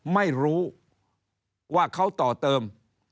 ไม่รู้ว่าเขาต่อเติม